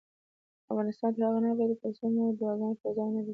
افغانستان تر هغو نه ابادیږي، ترڅو مو دعاګانې پر ځای ونه رسیږي.